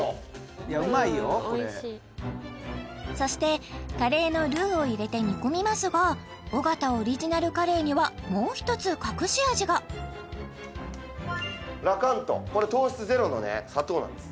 これうん美味しいそしてカレーのルーを入れて煮込みますが尾形オリジナルカレーにはもう一つ隠し味がこれ糖質ゼロのね砂糖なんです